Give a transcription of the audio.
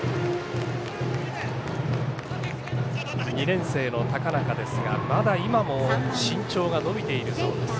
２年生の高中ですがまだ今も身長が伸びているそうです。